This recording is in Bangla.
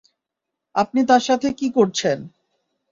আপনি তার সাথে কি করছেন?